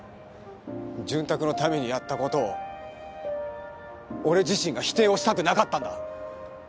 「潤沢」のためにやった事を俺自身が否定をしたくなかったんだ。